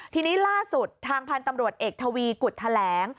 ทีนี้ล่าสุดทางพันธุ์ตำรวจเอกทวีกุฎแถลง